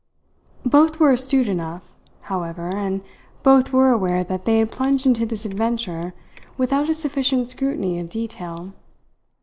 Both were astute enough, however, and both were aware that they had plunged into this adventure without a sufficient scrutiny of detail.